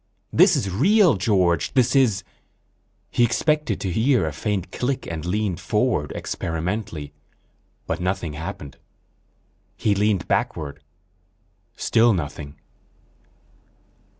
This is real George, this is ... He expected to hear a faint click and leaned forward experimentally, but nothing happened. He leaned backward. Still nothing.